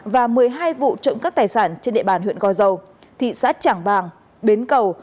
và một mươi hai vụ trộm cắp tài sản trên địa bàn huyện gò dầu thị xã trảng bàng bến cầu